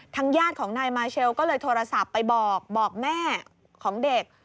ญาติของนายมาเชลก็เลยโทรศัพท์ไปบอกบอกแม่ของเด็ก